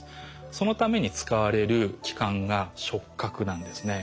そのために使われる器官が触角なんですね。